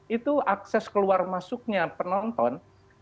itu akses keluar masuknya penonton